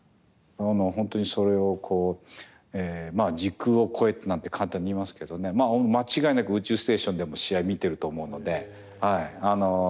本当にそれを時空を超えてなんて簡単に言いますけどね間違いなく宇宙ステーションでも試合見ていると思うのではい。